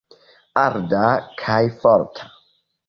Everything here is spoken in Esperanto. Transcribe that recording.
Arda kaj forta.